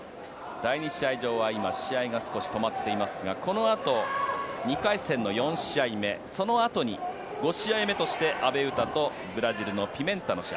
第２試合場は今、試合が少し止まっていますがこのあと２回戦の４試合目そのあとに５試合目として阿部詩とブラジルのピメンタの試合。